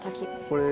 これ。